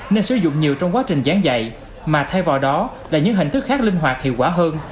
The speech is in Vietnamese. nên sử dụng nhiều trong quá trình giảng dạy mà thay vào đó là những hình thức khác linh hoạt hiệu quả hơn